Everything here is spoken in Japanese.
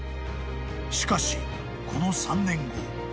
［しかしこの３年後］